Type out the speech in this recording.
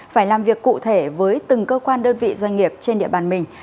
phải làm việc cụ thể với từng cơ quan đơn vị doanh nghiệp trên địa bàn mình